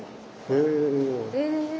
へえ。